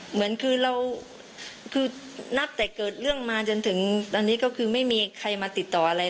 เหมือนคือเราคือนับแต่เกิดเรื่องมาจนถึงตอนนี้ก็คือไม่มีใครมาติดต่ออะไร